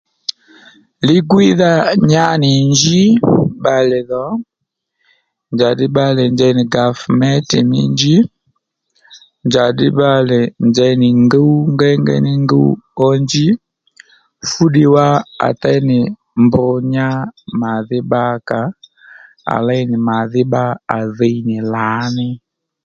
Li-gwíydha nyánì njí bbalè dhò njàddí bbalè njey nì gàvméntè mí njí njàddí bbalè njey nì ngúw ngéy ngéy ní ngúw ó njí fú ddiy wá à déy nì mb nya màdhí bbakǎ à léy nì màdhí bba à dhiy nì lǎní